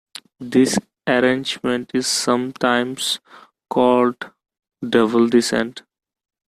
This arrangement is sometimes called double descent.